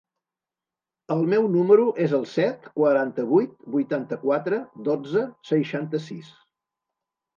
El meu número es el set, quaranta-vuit, vuitanta-quatre, dotze, seixanta-sis.